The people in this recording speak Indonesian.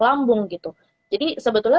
lambung gitu jadi sebetulnya